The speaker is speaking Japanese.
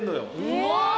うわ！